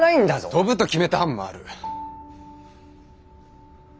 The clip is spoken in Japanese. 飛ぶと決めた班もある。